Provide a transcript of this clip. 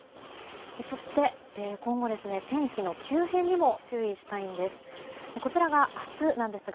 そして、今後天気の急変にも注意したいんです。